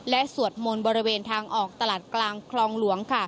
และสวดมนต์บริเวณทางออกตลาดกลางคลองหลวง